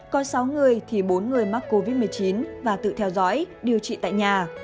có sáu người thì bốn người mắc covid một mươi chín và tự theo dõi điều trị tại nhà